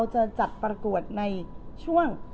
จะจัดประกวดในช่วง